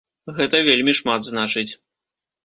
Гэта вельмі шмат значыць.